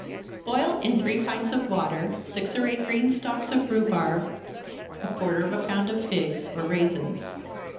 _ Boil in three pints of water six or eight green stalks of rhubarb, a quarter of a pound of figs or raisins.